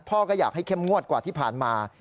พ่อก็อยากให้เข้มงวดกว่าที่ผ่านมา